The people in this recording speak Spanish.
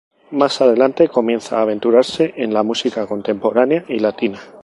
Más adelante comienza a aventurarse en la música contemporánea y latina.